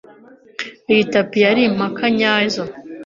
Iyi tapi yari impaka nyazo.